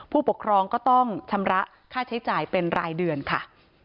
ผู้ปกครองก็ต้องชำระค่าใช้จ่ายเป็นรายเดือนค่ะ